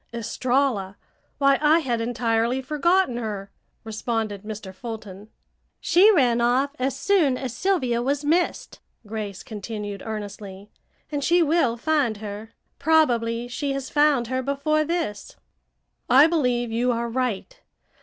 "Estralla! Why, I had entirely forgotten her," responded Mr. Fulton. "She ran off as soon as Sylvia was missed," Grace continued earnestly, "and she will find her. Probably she has found her before this." "I believe you are right.